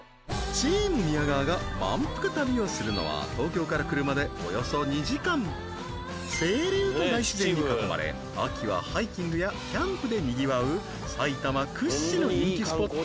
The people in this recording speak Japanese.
チーム宮川がまんぷく旅をするのは清流と大自然に囲まれ秋はハイキングやキャンプでにぎわう埼玉屈指の人気スポット